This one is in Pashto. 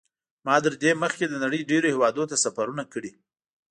ما تر دې مخکې د نړۍ ډېرو هېوادونو ته سفرونه کړي.